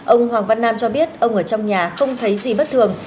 ông hoàng văn nam cho biết ông ở trong nhà không thấy gì bất thường